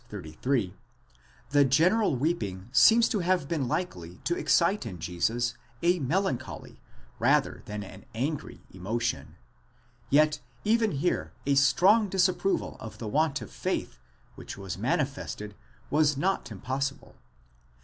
33, the general weeping seems to have been likely to excite in Jesus a melancholy, rather than an angry emotion: yet even here a strong disapproval of the want of faith (ὀλιγοπιστία) which was manifested was not impossible.